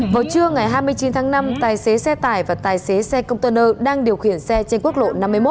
vào trưa ngày hai mươi chín tháng năm tài xế xe tải và tài xế xe container đang điều khiển xe trên quốc lộ năm mươi một